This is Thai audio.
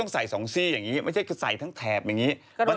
งั้นส่องซี่ก็สั่งอย่างนี้